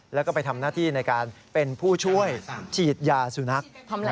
แล้วก็ไปทำหน้าที่ในการเป็นผู้ช่วยฉีดยาสุนัข